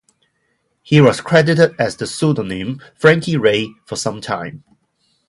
He was credited as the pseudonym "Frankie Ray" for some time.